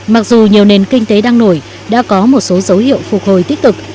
mặc dù nhiều nền kinh tế đang nổi đã có một số dấu hiệu phục hồi tiếp tục